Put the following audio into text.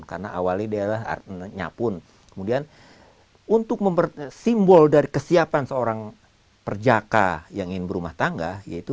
kalau dari kesiapan seorang perjaka yang ingin berumah tangga